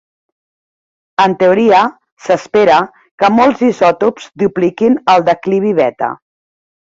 En teoria, s'espera que molts isòtops dupliquin el declivi beta.